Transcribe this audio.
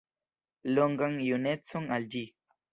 Longan junecon al ĝi!